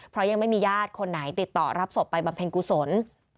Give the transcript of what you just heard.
เพราะยังไม่มีญาติคนไหนติดต่อรับศพไปบำเพ็ญกุศล